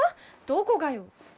どこがよ？